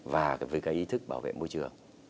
và với cái ý thức bảo vệ môi trường